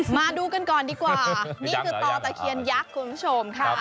มาดูกันก่อนดีกว่านี่คือต่อตะเคียนยักษ์คุณผู้ชมค่ะ